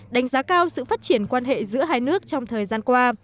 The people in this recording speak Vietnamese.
đánh giá cao sự phát triển quan hệ giữa hai nước trong thời gian qua